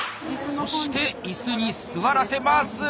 そしていすに座らせます。